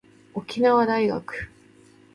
沖縄大学